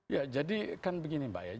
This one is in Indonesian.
ya jadi kan begini mbak ya